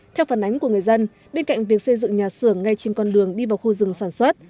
theo phản ánh của người dân bên cạnh việc xây dựng nhà xưởng ngay trên con đường đi vào khu rừng sản xuất